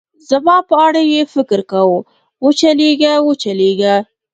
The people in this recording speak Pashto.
زما په اړه یې فکر کاوه، و چلېږه، و چلېږه.